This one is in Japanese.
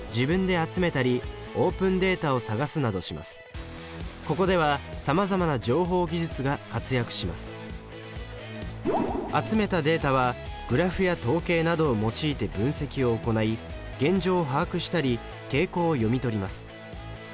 集めたデータはグラフや統計などを用いて分析を行い現状を把握したり傾向を読み取ります。